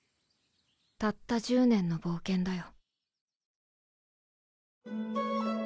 たった１０年の冒険だよ。